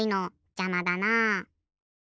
じゃまだな。